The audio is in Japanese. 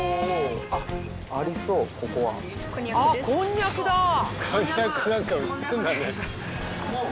こんにゃくです。